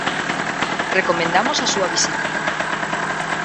Recomendamos a súa visita.